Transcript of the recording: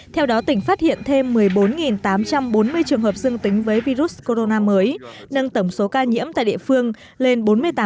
theo đó tỉnh phát hiện thêm một mươi bốn tám trăm bốn mươi trường hợp dương tính với virus corona mới nâng tổng số ca nhiễm tại địa phương lên bốn mươi tám hai trăm linh sáu